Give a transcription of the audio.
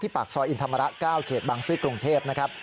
ปากซอยอินธรรมระ๙เขตบางซื้อกรุงเทพนะครับ